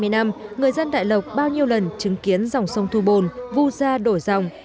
một trăm hai mươi năm người dân đại lộc bao nhiêu lần chứng kiến dòng sông thu bồn vu ra đổi dòng